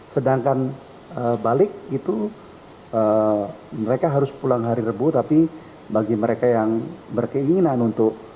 sedangkan balik itu mereka harus pulang hari rebu tapi bagi mereka yang berkeinginan untuk